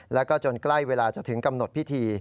แล้วก็จนใกล้เวลาจะถึงกำหนดพิธี